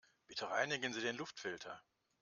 Bitte reinigen Sie den Luftfilter.